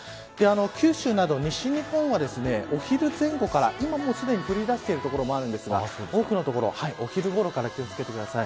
九州など西日本はお昼前後から、今もうすでに降りだしている所もありますが多くの所はお昼ごろから気を付けてください。